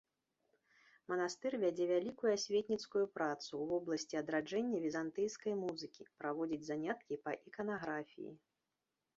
Манастыр вядзе вялікую асветніцкую працу ў вобласці адраджэння візантыйскай музыкі, праводзіць заняткі па іканаграфіі.